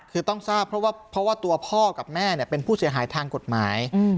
คือต้องทราบเพราะว่าตัวพ่อกับแม่เป็นผู้เสียหายทางกฎหมาย